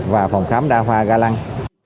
và phòng khám đa hoa ga lăng